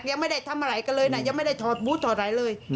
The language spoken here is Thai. ยังไม่ได้ทำอะไรกันเลยนะยังไม่ได้ถอดบูธถอดอะไรเลย